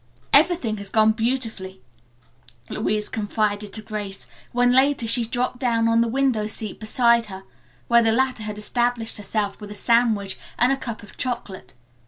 "Everything has gone beautifully," Louise confided to Grace, when later she dropped down on the window seat beside her, where the latter had established herself with a sandwich and a cup of chocolate.